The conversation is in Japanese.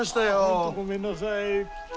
本当ごめんなさい。